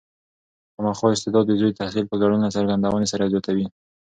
خامخا استعداد د زوی د تحصیل په ګډون له څرګندونې سره زیاتوي.